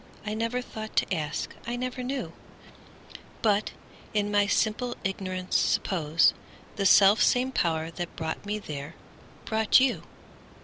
I never thought to ask, I never knew:But, in my simple ignorance, supposeThe self same Power that brought me there brought you.